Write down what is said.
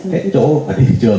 hết chỗ ở thị trường